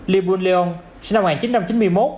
lee boon leong sinh năm một nghìn chín trăm chín mươi một